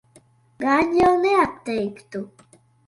Gan jau neatteiktu.